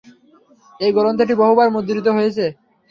এই গ্রন্থটি বহুবার মুদ্রিত হয়েছে।